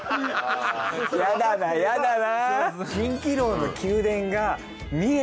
やだなやだな。